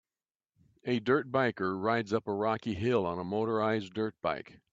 A dirt biker rides up a rocky hill on a motorized dirt bike